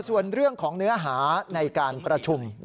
ส่วนเรื่องของเนื้อหาในการประชุม